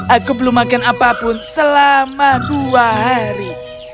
aku belum makan apapun selama dua hari